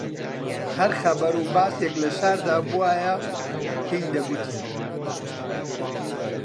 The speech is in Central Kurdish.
هەر خەبەر و باسێک لە شاردا بوایە پێی دەگوتین